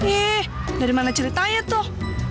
ih dari mana ceritanya tuh